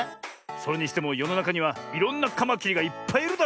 それにしてもよのなかにはいろんなカマキリがいっぱいいるだろう？